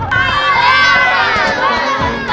itu adalah bagian ketiga